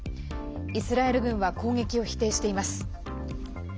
イスラエル軍は攻撃を否定しています。